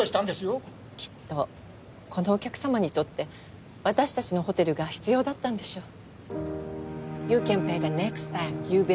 きっとこのお客様にとって私たちのホテルが必要だったんでしょう。